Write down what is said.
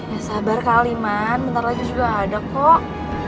ya sabar kaliman bentar lagi juga ada kok